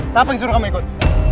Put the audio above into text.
siapa yang suruh kamu ikut